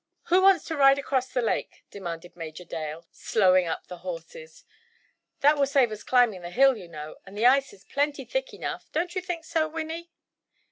"Who wants to ride across the lake?" demanded Major Dale, slowing up the horses, "that will save us climbing the hill, you know, and the ice is plenty thick enough; don't you think so, Winnie?"